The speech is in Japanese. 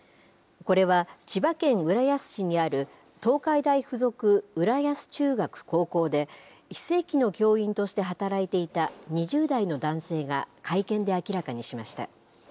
これは、千葉県浦安市にある東海大付属浦安中学・高校で非正規の教員として働いていた２０代の男性が会見で明らかにしました。